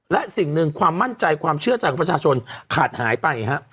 และสิ่งหนึ่งความมั่นใจความเชื่อใจของประชาชนขาดหายไปฮะ